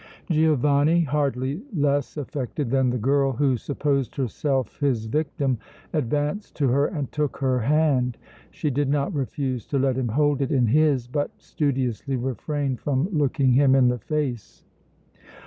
Giovanni, hardly less affected than the girl who supposed herself his victim, advanced to her and took her hand. She did not refuse to let him hold it in his, but studiously refrained from looking him in the face.